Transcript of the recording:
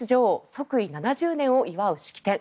即位７０年を祝う式典。